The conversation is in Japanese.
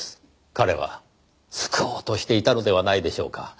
彼は救おうとしていたのではないでしょうか。